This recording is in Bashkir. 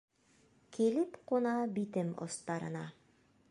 Килеп ҡуна битем остарына.